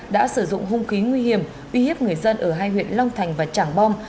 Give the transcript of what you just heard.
đã sử dụng hung khí nguy hiểm uy hiếp người dân ở hai huyện long thành và trảng bom